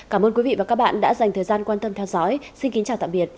cảm ơn quý vị và các bạn đã dành thời gian quan tâm theo dõi xin kính chào tạm biệt và hẹn gặp lại